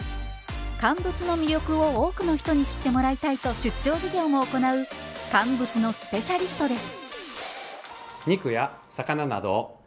乾物の魅力を多くの人に知ってもらいたいと出張授業も行う乾物のスペシャリストです。